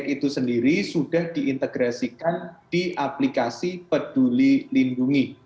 itu sendiri sudah diintegrasikan di aplikasi peduli lindungi